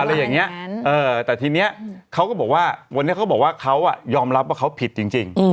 อะไรอย่างนี้แต่ทีนี้เขาก็บอกว่าเขายอมรับว่าเขาผิดจริง